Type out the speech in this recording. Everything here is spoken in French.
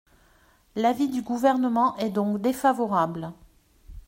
L’avis du Gouvernement est donc défavorable.